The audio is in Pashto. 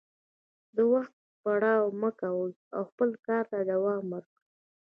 د وخت پروا مه کوئ او خپل کار ته دوام ورکړئ.